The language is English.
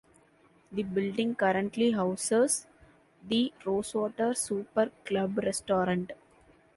The building currently houses the Rosewater Supper Club Restaurant.